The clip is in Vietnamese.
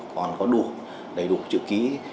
còn có đủ đầy đủ chữ ký